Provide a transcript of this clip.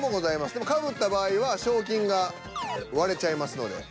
でもかぶった場合は賞金が割れちゃいますので。